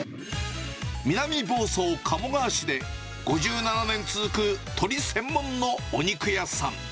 南房総・鴨川市で、５７年続く鶏専門のお肉屋さん。